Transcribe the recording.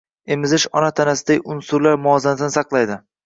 Emizish ona tanasidagi unsurlar muvozanatini saqlaydi.